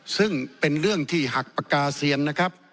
ซึ่งเป็นเรื่องที่หักปากกาเซียนนะครับ